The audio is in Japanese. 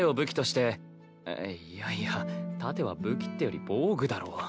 いやいや盾は武器ってより防具だろ。